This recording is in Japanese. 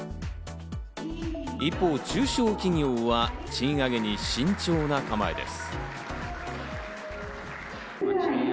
一方、中小企業は賃上げに慎重な構えです。